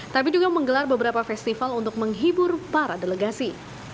tapi juga menggelar beberapa festival untuk menghibur para delegasi